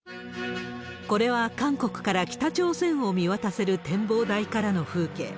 これは、韓国から北朝鮮を見渡せる展望台からの風景。